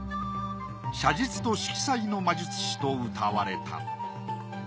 写実と色彩の魔術師とうたわれた。